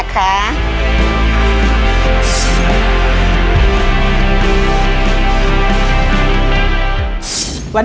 ๑หมื่น